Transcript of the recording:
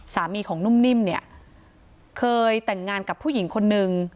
สามีของนุ่มนิ่มเนี่ยเคยแต่งงานกับผู้หญิงคนนึง